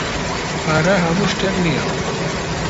پارە ھەموو شتێک نییە.